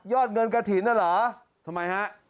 เงินกระถิ่นน่ะเหรอทำไมฮะ